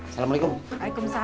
kalau mau berangkat kerja